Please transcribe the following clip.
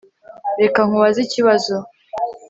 Reka nkubaze ikibazo